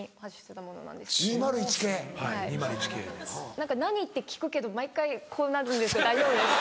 何か「何？」って聞くけど毎回こうなるんです大丈夫ですか？